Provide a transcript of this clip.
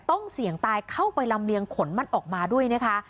ต้องเสี่ยงตายเข้าไปลำเลียงขนมันออกมาด้วยนะคะ